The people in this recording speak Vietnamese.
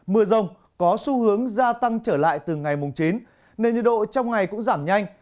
mưa rông có xu hướng gia tăng trở lại từ ngày chín nên nhiệt độ trong ngày cũng giảm nhanh